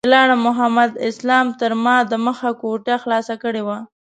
چې لاړم محمد اسلام تر ما دمخه کوټه خلاصه کړې وه.